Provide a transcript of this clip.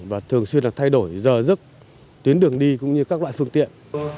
và thường xuyên là thay đổi giờ dứt tuyến đường đi cũng như các loại phương tiện